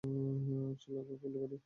চল, ওকে গুলি কর।